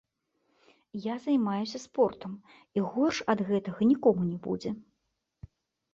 Я займаюся спортам, і горш ад гэтага нікому не будзе.